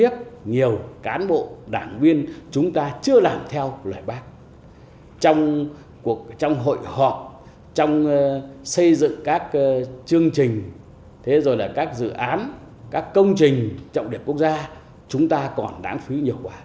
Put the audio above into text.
các dự án các công trình trọng đẹp quốc gia chúng ta còn đáng phí nhiều quả